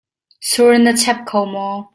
Sur na chep kho maw?